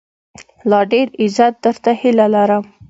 لا ډېر عزت، درته هيله لرم